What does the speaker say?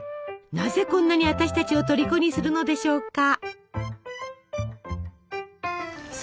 なぜこんなに私たちをとりこにするのでしょうか？